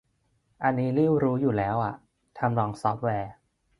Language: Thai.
อันนี้ลิ่วรู้อยู่แล้วอ่ะ ทำนองซอฟต์แวร์